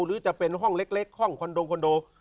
หรือจะเป็นห้องเล็กห้องคอนโดคอนโด